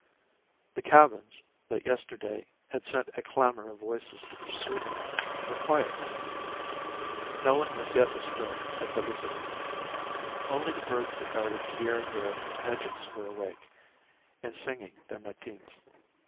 The cabins, that yesterday had sent a clamor of voices to pursue her, were quiet now. No one was yet astir at Bellissime. Only the birds that darted here and there from hedges were awake, and singing their matins.